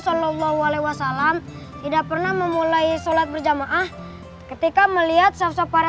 shallallahu alaihi wasallam tidak pernah memulai sholat berjamaah ketika melihat sop sop para